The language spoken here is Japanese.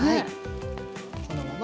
そのまま。